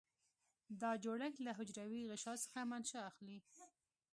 دا جوړښت له حجروي غشا څخه منشأ اخلي.